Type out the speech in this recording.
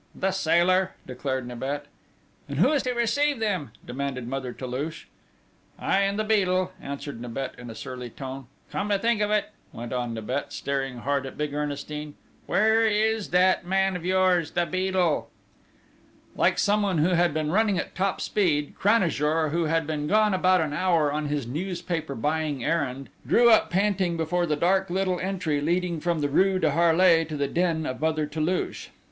"The Sailor," declared Nibet. "And who is to receive them?" demanded Mother Toulouche. "I and the Beadle," answered Nibet in a surly tone. "Come to think of it," went on Nibet, staring hard at big Ernestine, "where is that man of yours the Beadle?" Like someone who had been running at top speed Cranajour, who had been gone about an hour on his newspaper buying errand, drew up panting before the dark little entry leading from the rue de Harlay to the den of Mother Toulouche.